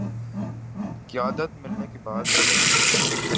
قیادت ملنے کے بعد